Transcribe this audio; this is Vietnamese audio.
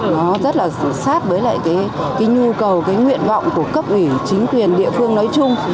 nó rất là sát với lại cái nhu cầu cái nguyện vọng của cấp ủy chính quyền địa phương nói chung